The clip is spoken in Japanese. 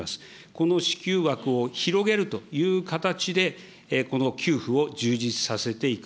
この支給枠を広げるという形で、この給付を充実させていく。